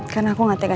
kan aku gak tega